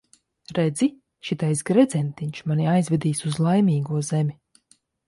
Redzi, šitais gredzentiņš mani aizvedīs uz Laimīgo zemi.